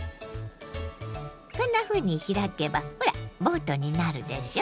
こんなふうに開けばほらボートになるでしょ。